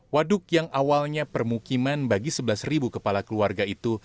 waduk yang awalnya permukiman bagi sebelas kepala keluarga itu